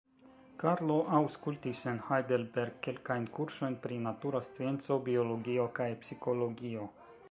Karlo aŭskultis en Heidelberg kelkajn kursojn pri natura scienco, biologio kaj psikologio.